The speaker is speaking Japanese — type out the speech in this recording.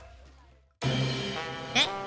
えっ？